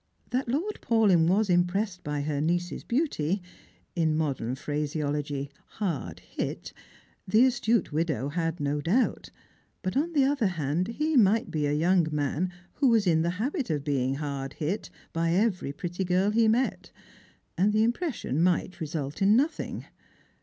That Lord Paulyn was impressed by her niece's beauty — in modem phraseology, hard hit — the astute widow had no doubt ; but on foe other hand he might be a young man who was in the habit )f being hard hit by every pretty girl he met, and the impres sion might result in nothing.